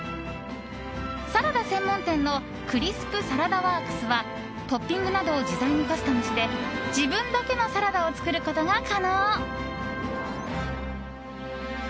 サラダ専門店のクリスプ・サラダワークスはトッピングなどを自在にカスタムして自分だけのサラダを作ることが可能。